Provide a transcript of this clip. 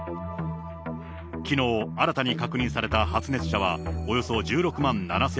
きのう、新たに確認された発熱者はおよそ１６万７０００人。